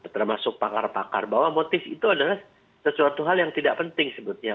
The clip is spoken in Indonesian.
termasuk pakar pakar bahwa motif itu adalah sesuatu hal yang tidak penting sebetulnya